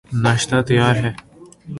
ناشتہ تیار ہے